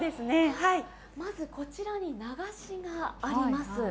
まずこちらに流しがあります。